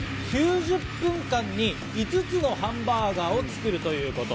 ９０分間に５つのハンバーガーを作るということ。